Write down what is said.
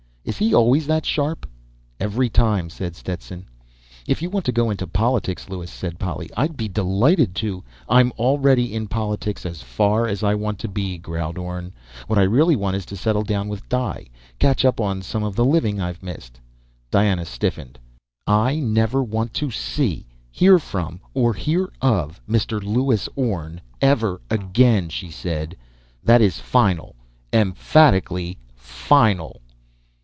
"Is he always that sharp?" "Every time," said Stetson. "If you want to go into politics, Lewis," said Polly, "I'd be delighted to " "I'm already in politics as far as I want to be," growled Orne. "What I really want is to settle down with Di, catch up on some of the living I've missed." Diana stiffened. "I never want to see, hear from or hear of Mr. Lewis Orne ever again!" she said. "That is final, emphatically final!"